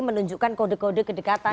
jadi menunjukkan kode kode kedekatan